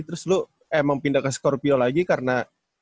terus lo emang pindah ke skorpio lagi karena